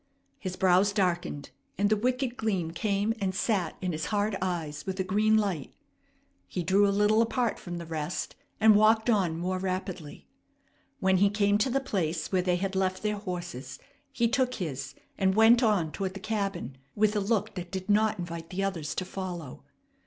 His brows darkened, and the wicked gleam came and sat in his hard eyes with a green light. He drew a little apart from the rest, and walked on more rapidly. When he came to the place where they had left their horses, he took his and went on toward the cabin with a look that did not invite the others to follow.